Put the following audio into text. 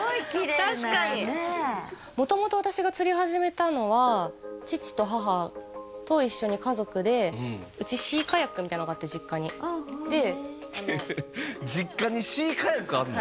確かに元々私が釣りを始めたのは父と母と一緒に家族でうちシーカヤックみたいなのがあって実家に実家にシーカヤックあんの？